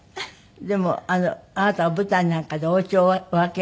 でもあなたは舞台なんかでお家をお空けになるでしょ？